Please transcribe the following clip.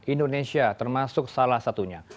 indonesia termasuk salah satunya